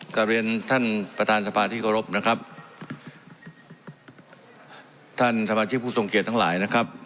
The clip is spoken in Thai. กลับเรียนท่านประธานสภาที่เคารพนะครับท่านสมาชิกผู้ทรงเกียจทั้งหลายนะครับ